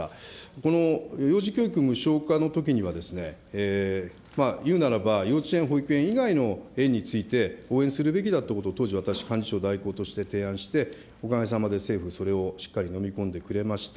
この幼児教育無償化のときには、いうならば、幼稚園、保育園以外の園について応援するべきだっていうことを、当時、私、幹事長代行として提案して、おかげさまで政府、それをしっかり飲み込んでくれました。